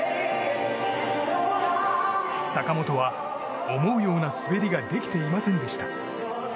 坂本は、思うような滑りができていませんでした。